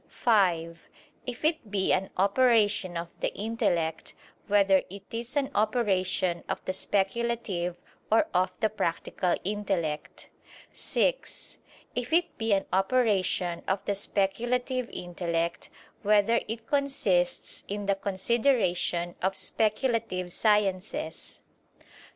(5) If it be an operation of the intellect, whether it is an operation of the speculative or of the practical intellect? (6) If it be an operation of the speculative intellect, whether it consists in the consideration of speculative sciences?